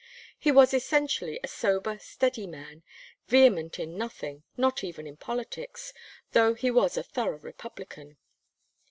He was essentially a sober, steady man, vehement in nothing, not even in politics, though he was a thorough Republican.